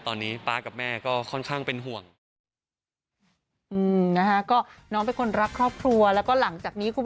ตอนนี้ป๊ากับแม่ก็ค่อนข้างเป็นห่วง